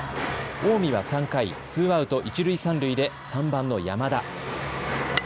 近江は３回、ツーアウト一塁三塁で３番の山田。